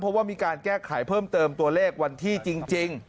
เพราะว่ามีการแก้ไขเพิ่มเติมตัวเลขวันที่จริง